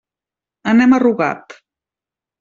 Anem a Rugat.